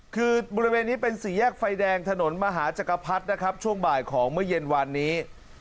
คือบริเวณนี้เป็นสี่แยกไฟแดงถนนมหาจักรพรรดินะครับช่วงบ่ายของเมื่อเย็นวานนี้